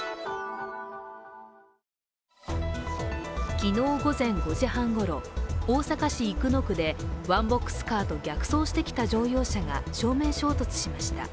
昨日午前５時半ごろ、大阪市生野区でワンボックスカーと逆走してきた乗用車が正面衝突しました。